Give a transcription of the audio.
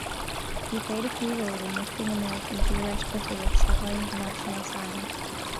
He played a key role in lifting American theoretical physics to high international standing.